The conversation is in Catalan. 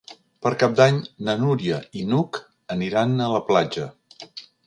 Per Cap d'Any na Núria i n'Hug aniran a la platja.